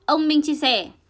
ông minh chia sẻ